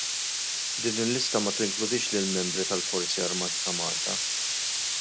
Din il-lista ma tinkludix lill-membri tal-Forzi Armati ta' Malta.